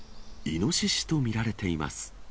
イノシシと見られています。